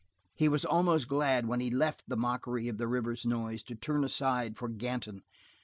He was almost glad when he left the mockery of the river's noise to turn aside for Ganton.